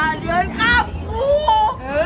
เมื่อ